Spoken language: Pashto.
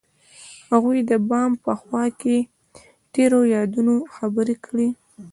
هغوی د بام په خوا کې تیرو یادونو خبرې کړې.